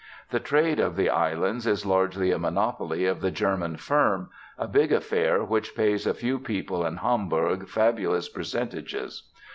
The trade of the islands is largely a monopoly of the 'German firm,' a big affair which pays a few people in Hamburg fabulous percentages.